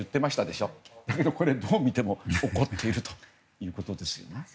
でも、これはどう見ても怒っているということですね。